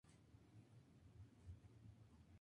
A la derecha, el ala de sir Thomas Fairfax se fue peor.